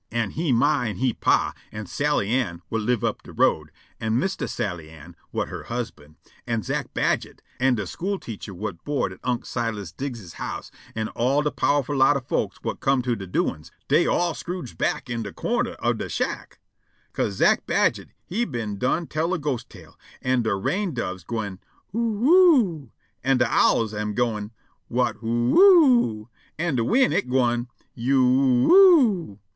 An' he ma an' he pa, an' Sally Ann, whut live up de road, an' Mistah Sally Ann, whut her husban', an' Zack Badget, an' de school teacher whut board at Unc' Silas Diggs's house, an' all de powerful lot of folks whut come to de doin's, dey all scrooged back in de cornder ob de shack, 'ca'se Zack Badget he been done tell a ghost tale, an' de rain doves gwine, "Oo oo o o o!" an' de owls am gwine, "Whut whoo o o o!" and de wind it gwine, "You you o o o!"